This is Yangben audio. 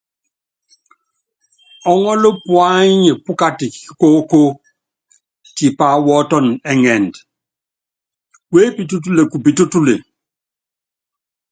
Ɔŋɔ́l, puany pu katɛ kikóókó, tipa wɔɔ́tɔn ɛŋɛnd wepítútule kupítútule.